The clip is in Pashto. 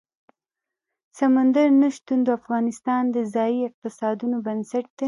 سمندر نه شتون د افغانستان د ځایي اقتصادونو بنسټ دی.